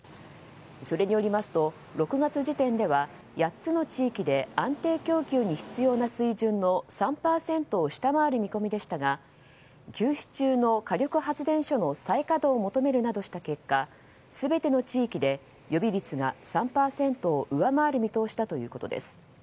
それによりますと６月時点では８つの地域で安定供給に必要な水準の３％を下回る見込みでしたが休止中の火力発電所の再稼働を求めるなどした結果全ての地域で予備率が３％を上回る見通しだということです。